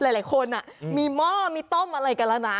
หลายคนมีหม้อมีต้มอะไรกันแล้วนะ